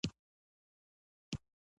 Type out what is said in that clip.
خپل حق ونه غواړي.